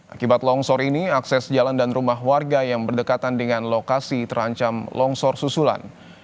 akibat longsor ini akses jalan dan rumah warga yang berdekatan dengan lokasi terancam longsor susulan